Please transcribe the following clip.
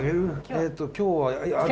えっと今日は。